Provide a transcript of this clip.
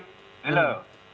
jadi kalau kemarin